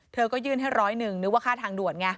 เธอก็ยื่นให้ร้อยหนึ่งนึกว่าค่าทางด่วนไง